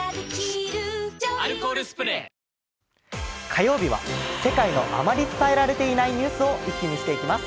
火曜日は世界であまり伝えられていないニュースを一気見していきます。